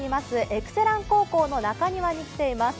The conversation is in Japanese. エクセラン高校の中庭に来ています。